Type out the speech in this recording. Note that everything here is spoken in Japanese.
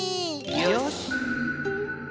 よし。